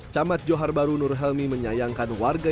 camat johar baru nurhelmi menyayangkan warga